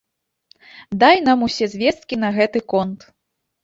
Дай нам усе звесткі на гэты конт.